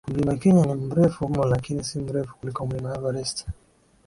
Mlima Kenya ni mrefu mno lakini si mrefu kuliko Mlima Everest